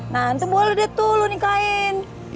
nanti boleh deh tuh lu nikahin